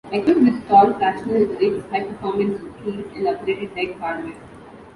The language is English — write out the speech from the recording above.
Equipped with tall fractional rigs, high performance keels and upgraded deck hardware.